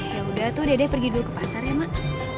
ya udah tuh dede pergi dulu ke pasar ya mak